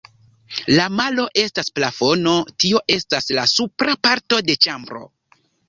La malo estas plafono, tio estas la supra parto de ĉambro.